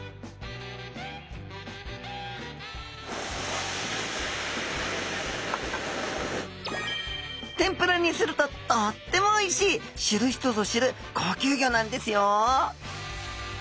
ふだんは天ぷらにするととってもおいしい知る人ぞ知る高級魚なんですよ